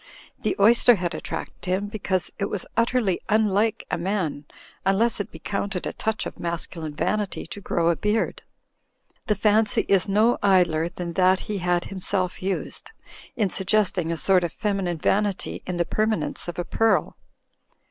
The 03rster had attracted him because it was utterly unlike a man; unless it be counted a touch of masculine vanity to grow a beard. The fancy is no idler than that he had himself used, in suggesting a sort of feminine vanity in the perma nence of a pearl.